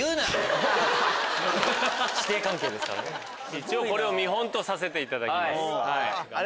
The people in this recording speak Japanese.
一応これを見本とさせていただきます。